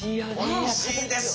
おいしいです！